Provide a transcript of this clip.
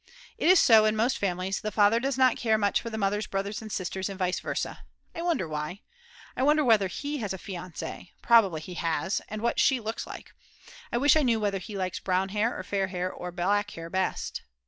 It is so in most families, the father does not care much for the mother's brothers and sisters and vice versa. I wonder why? I wonder whether He has a fiancee, probably he has, and what she looks like. I wish I knew whether He likes brown hair or fair hair or black hair best.